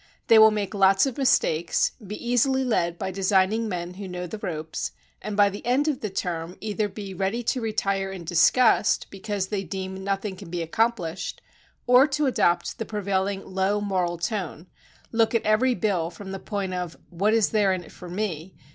They will make lots of mistakes, be easily led by designing men who know the ropes ; and by the end of the term either be ready to retire in disgust because they deem noth ing can be accomplished, or to adopt the prevailing low moral tone, look at every bill from the point of "What is there in it for me?